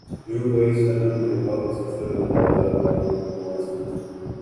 یوں کوئے صنم میں وقت سفر نظارۂ بام ناز کیا